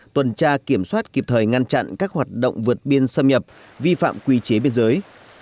tuần tra kiểm soát kịp thời ngăn chặn các hoạt động vượt biên xâm nhập vi phạm quy chế biên giới